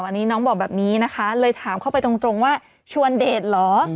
อันนี้น้องบอกแบบนี้นะคะเลยถามเข้าไปตรงว่าชวนเดชเหรอ